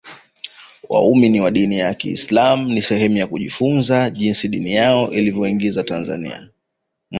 waumini wa dini ya kiislamu ni sehemu ya kujifunza jinsi dini yao ilivyoingia tanzania